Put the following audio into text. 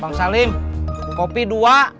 bang salim kopi dua